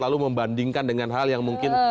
lalu membandingkan dengan hal yang mungkin